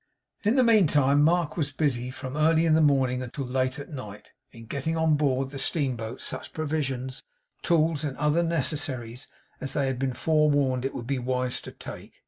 In the meantime Mark was busy, from early in the morning until late at night, in getting on board the steamboat such provisions, tools and other necessaries, as they had been forewarned it would be wise to take.